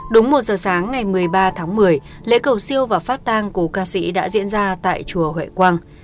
đúng một giờ sáng ngày một mươi ba tháng một mươi lễ cầu siêu và phát tang cổ ca sĩ đã diễn ra tại chùa huệ quang